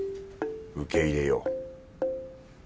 受け入れよう